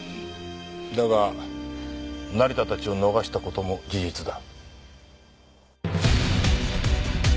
だが成田たちを逃した事も事実だ。